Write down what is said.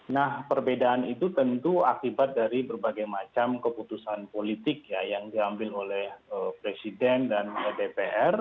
nah perbedaan itu tentu akibat dari berbagai macam keputusan politik yang diambil oleh presiden dan dpr